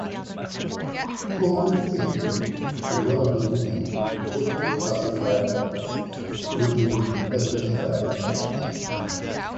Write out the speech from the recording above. Tone King is one of the boutique "vintage" amplifier companies making Fender style amps.